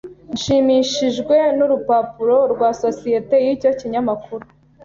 Nshimishijwe nurupapuro rwa societe yicyo kinyamakuru.